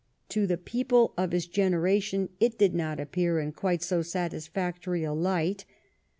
To the people of his generation it did not appear in qaite so satisfac tory a light.